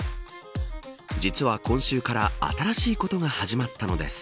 実は今週から新しいことが始まったのです。